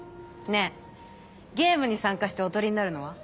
ねぇゲームに参加しておとりになるのは？